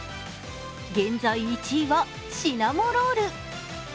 現在１位はシナモロール。